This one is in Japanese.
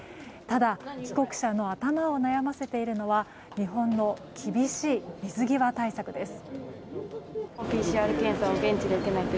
ただ、帰国者の頭を悩ませているのは日本の厳しい水際対策です。